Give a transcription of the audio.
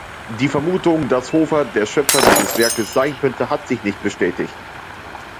Die Vermutung, dass Hofer der Schöpfer dieses Werkes sein könnte, hat sich nicht bestätigt.